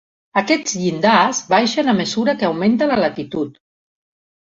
Aquests llindars baixen a mesura que augmenta la latitud.